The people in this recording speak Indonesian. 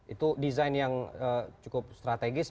itu desain yang cukup strategis